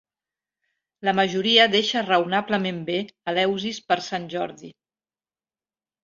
La majoria deixa raonablement bé Eleusis per Sant Jordi.